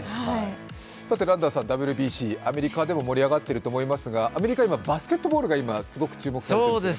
ランダーさん、ＷＢＣ、アメリカでも盛り上がっていると思いますがアメリカ、今、バスケットボールがすごく注目されていると。